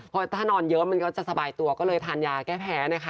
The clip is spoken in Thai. พอถ้านอนเยอะมันก็จะสบายตัวก็เลยทานยาแก้แพ้นะคะ